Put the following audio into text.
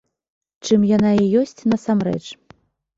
Чым яна і ёсць насамрэч.